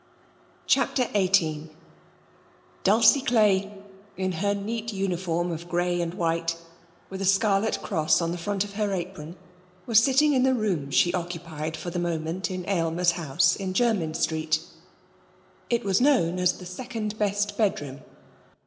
CHAPTER XVIII Dulcie Clay, in her neat uniform of grey and white, with the scarlet cross on the front of her apron, was sitting in the room she occupied for the moment in Aylmer's house in Jermyn Street. It was known as 'the second best bedroom'.